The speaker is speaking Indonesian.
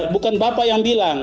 bukan bapak yang bilang